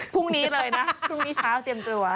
พรุ่งนี้เลยนะพรุ่งนี้เช้าเตรียมตัว